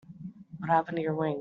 What happened to your wings?